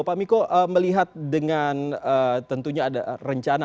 pak miko melihat dengan tentunya ada rencana